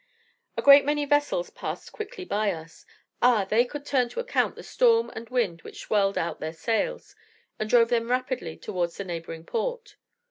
A great many vessels passed quickly by us. Ah! they could turn to account the storm and wind which swelled out their sails, and drove them rapidly towards the neighbouring port.